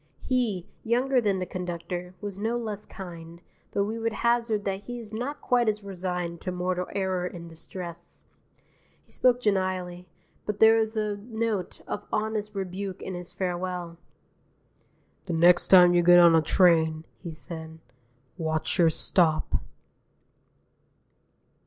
He, younger than the conductor, was no less kind, but we would hazard that he is not quite as resigned to mortal error and distress. He spoke genially, but there was a note of honest rebuke in his farewell. "The next time you get on a train," he said, "watch your stop."